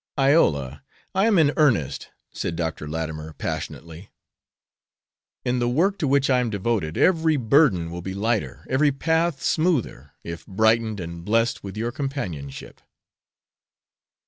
"Iola, I am in earnest," said Dr. Latimer, passionately. "In the work to which I am devoted every burden will be lighter, every path smoother, if brightened and blessed with your companionship."